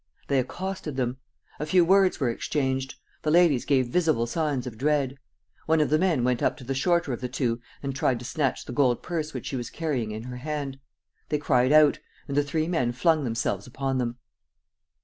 They accosted them. A few words were exchanged. The ladies gave visible signs of dread. One of the men went up to the shorter of the two and tried to snatch the gold purse which she was carrying in her hand. They cried out; and the three men flung themselves upon them.